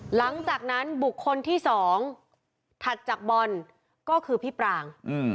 หลังจากนั้นบุคคลที่๒ถัดจากบอลก็คือพี่ปราง